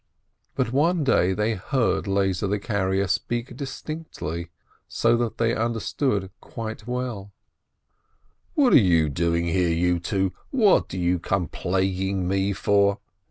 But one day they heard Lezer the carrier speak distinctly, so that they understood quite well : "What are you doing here, you two? What do you come plaguing me for?